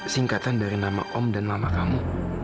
singkatan dari nama om dan mama kamu